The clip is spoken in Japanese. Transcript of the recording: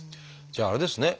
じゃああれですね